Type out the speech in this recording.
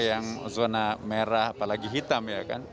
yang zona merah apalagi hitam